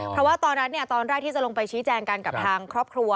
เพราะว่าตอนนั้นตอนแรกที่จะลงไปชี้แจงกันกับทางครอบครัว